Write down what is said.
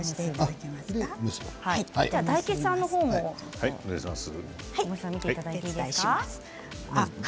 大吉さんの方も見ていただいていいですか？